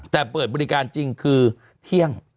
แต่เปิดบริการจริงคือเที่ยง